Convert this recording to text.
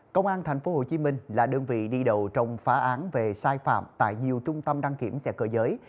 công an tp hcm là đơn vị đi đầu trong phá án về sai phạm tại nhiều trung tâm đăng kiểm xe cơ giới